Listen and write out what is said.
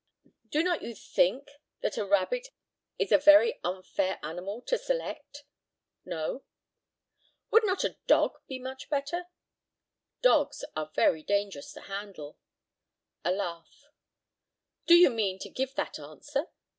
Do not you think that a rabbit is a very unfair animal to select? No. Would not a dog be much better? Dogs are very dangerous to handle. (A laugh.) Do you mean to give that answer?